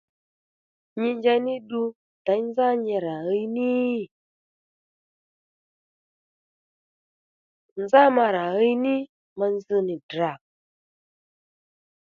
Nyi njey ní ddu děy nzá nyi rà ɦiy ní? Nzá ma rà ɦiy ní ma nzz nì Ddrà